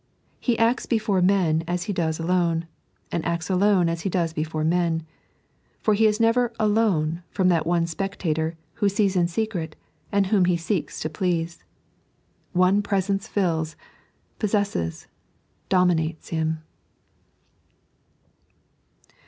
He acts before men as he does alone, and acts alone aa he does before men ; for he is never " alone " from that one Spectator, who sees in secret, and whom he seeks to please. One presence fills, I, dominates him.